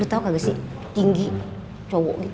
lu tau kagak sih tinggi cowo gitu